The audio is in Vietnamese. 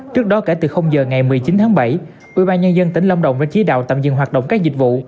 trước đó kể từ giờ ngày một mươi chín tháng bảy ubnd tỉnh lâm đồng đã chỉ đạo tạm dừng hoạt động các dịch vụ